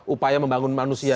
upaya membangun manusia